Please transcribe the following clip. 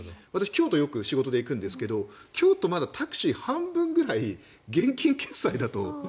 京都によく仕事で行くんですが京都、まだタクシー半分ぐらい現金決済だと。